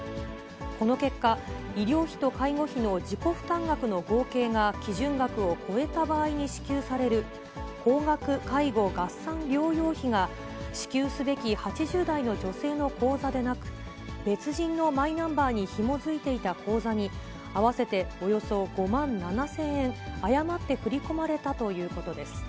この結果、医療費と介護費の自己負担額の合計が基準額を超えた場合に支給される、高額介護合算療養費が、支給すべき８０代の女性の口座でなく、別人のマイナンバーにひも付いていた口座に、合わせておよそ５万７０００円、誤って振り込まれたということです。